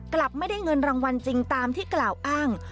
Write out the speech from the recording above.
กลับไม่ได้เงินรางวัลจริงตามที่กล่าวอ้าง